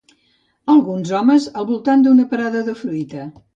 Alguns homes al voltant d'una parada de fruita